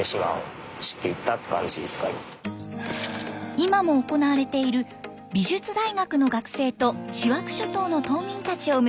今も行われている美術大学の学生と塩飽諸島の島民たちを結ぶプロジェクト。